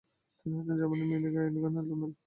তিনি হচ্ছেন জার্মানির মিউনিখের অয়গেন ফন লোমেল।